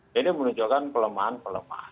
jadi menunjukkan pelemahan pelemahan